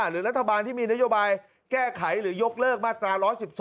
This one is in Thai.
หรือรัฐบาลที่มีนโยบายแก้ไขหรือยกเลิกมาตรา๑๑๒